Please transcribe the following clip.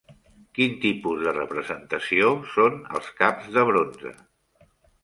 Quin tipus de representació són els caps de bronze?